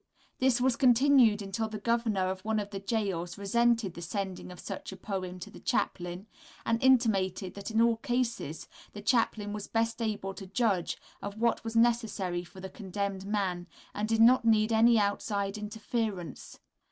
This was continued until the governor of one of the gaols resented the sending of such a poem to the chaplain, and intimated that in all cases the chaplain was best able to judge of what was necessary for the condemned man, and did not need any outside interference.